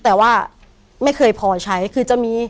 แต่ว่าไม่เคยพอใช้คือจะมี